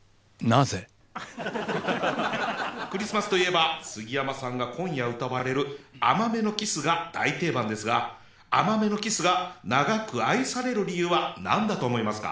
クリスマスといえば杉山さんが今夜歌われる「甘めのＫＩＳＳ」が大定番ですが「甘めのＫＩＳＳ」が長く愛される理由は何だと思いますか？